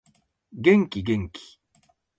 元気元気